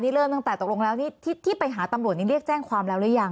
นี่เริ่มตั้งแต่ตกลงแล้วนี่ที่ไปหาตำรวจนี้เรียกแจ้งความแล้วหรือยัง